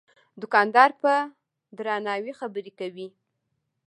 دوکاندار په درناوي خبرې کوي.